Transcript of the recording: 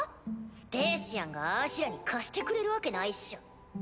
スペーシアンがあしらに貸してくれるわけないっしょ。